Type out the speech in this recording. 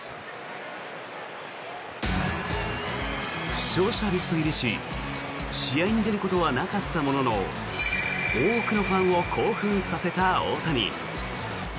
負傷者リスト入りし試合に出ることはなかったものの多くのファンを興奮させた大谷。